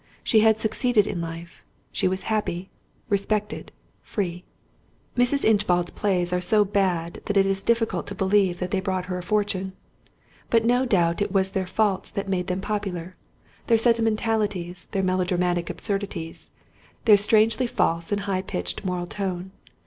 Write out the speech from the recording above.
She had succeeded in life; she was happy, respected, free. Mrs. Inchbald's plays are so bad that it is difficult to believe that they brought her a fortune. But no doubt it was their faults that made them popular—their sentimentalities, their melodramatic absurdities, their strangely false and high pitched moral tone.